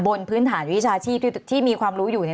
บนพื้นฐานวิชาชีพที่มีความรู้อยู่